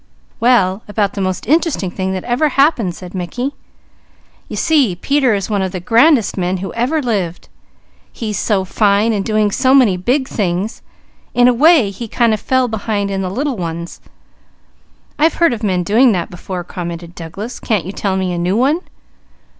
"Well about the most interesting thing that ever happened," said Mickey. "You see Peter is one of the grandest men who ever lived; he's so fine and doing so many big things, in a way he kind of fell behind in the little ones." "I've heard of men doing that before," commented Douglas. "Can't you tell me a new one?"